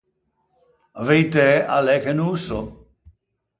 A veitæ a l’é che no ô sò.